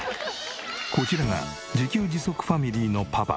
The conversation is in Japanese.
こちらが自給自足ファミリーのパパ